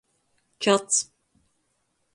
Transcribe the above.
Čads.